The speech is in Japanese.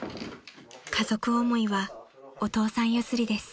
［家族思いはお父さん譲りです］